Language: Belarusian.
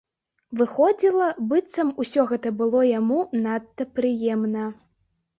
Выходзіла, быццам усё гэта было яму надта прыемна.